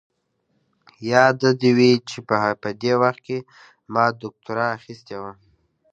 ياده دې وي چې په دې وخت کې ما دوکتورا اخيستې وه.